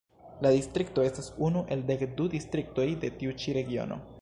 La distrikto estas unu el dek du distriktoj de tiu ĉi Regiono.